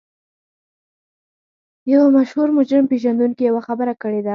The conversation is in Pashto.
یوه مشهور مجرم پېژندونکي یوه خبره کړې ده